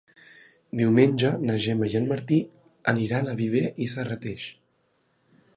Diumenge na Gemma i en Martí aniran a Viver i Serrateix.